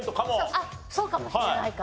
あっそうかもしれないか。